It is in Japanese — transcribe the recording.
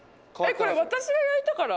これ私が焼いたから？